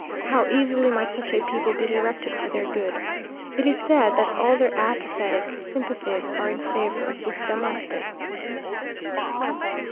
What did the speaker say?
How easily might such a people be directed for their good! It is said that all their apathetic sympathies are in favour of Bustamante.